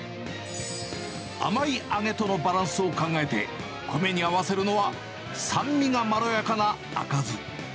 甘い揚げとのバランスを考えて、米に合わせるのは、酸味がまろやかな赤酢。